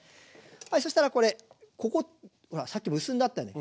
はいそしたらこれここさっき結んであったよね？